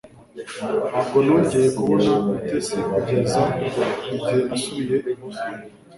Ntabwo nongeye kubona Mutesi kugeza igihe nasubiye i Boston